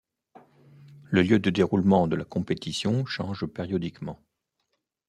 Le lieu de déroulement de la compétition change périodiquement.